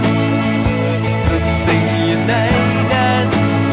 ทุกสีใดดัน